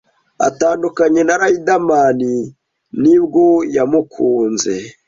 atandukanye na Riderman nibwo yamukunze